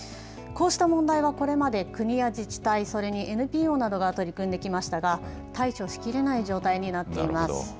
こうした問題はこれまで国や自治体、それにＮＰＯなどが取り組んできましたが、対処しきれない状態になっています。